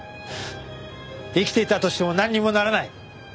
生きていたとしてもなんにもならない。